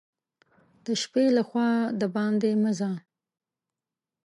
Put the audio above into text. د شپې له خوا دباندي مه ځه !